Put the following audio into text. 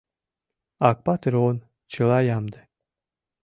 Акпатыр он, чыла ямде.